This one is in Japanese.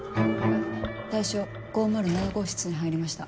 対象５０７号室に入りました。